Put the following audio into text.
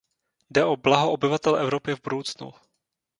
Jde o blaho obyvatel Evropy v budoucnu.